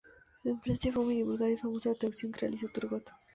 En Francia fue muy divulgada y famosa la traducción que realizó Turgot.